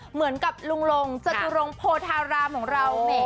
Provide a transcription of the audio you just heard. เหมือนกับลุงลงจตุรงโพธารามของเรา